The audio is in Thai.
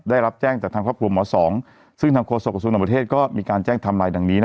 ได้รับแจ้งจากทางครอบครัวหมอสองซึ่งทางโฆษกระทรวงเทศก็มีการแจ้งทำลายดังนี้นะ